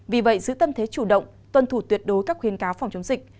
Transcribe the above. vì vậy giữ tâm thế chủ động tuân thủ tuyệt đối các khuyến cáo phòng chống dịch